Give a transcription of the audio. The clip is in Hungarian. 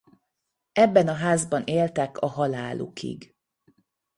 Ebben a házban éltek a halálukig.